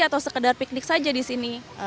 atau sekedar piknik saja di sini